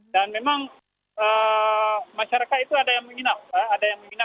dan memang masyarakat itu ada yang menginap di depan ayakutopia